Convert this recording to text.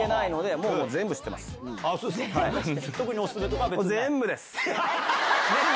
もう全部です。